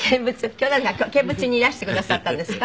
今日なんか見物にいらしてくださったんですか？